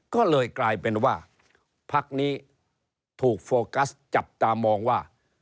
ก็เลยกลายเป็นว่าพักนี้ถูกโฟกัสจับตามองว่า